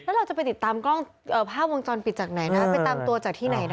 แล้วเราจะไปติดตามกล้องภาพวงจรปิดจากไหนนะไปตามตัวจากที่ไหนนะ